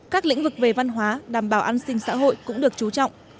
các lĩnh vực về văn hóa đảm bảo an sinh xã hội cũng được chú trọng